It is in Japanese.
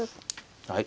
はい。